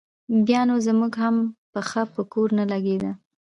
بیا نو زموږ هم پښه په کور نه لګېده.